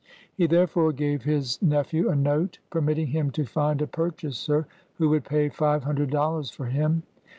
He therefore ga^e his nephew a note, permit ting him to find a purchaser who would pay five hun dred dollars for him.